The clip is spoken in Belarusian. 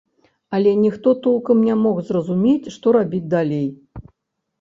Але ніхто толкам не мог зразумець, што рабіць далей.